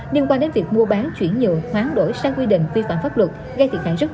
liên quan đến việc mua bán chuyển nhựa hoán đổi sang quy định vi phạm pháp luật gây thiệt hại rất